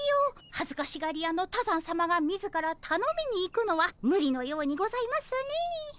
はずかしがり屋の多山さまが自らたのみに行くのはむりのようにございますね。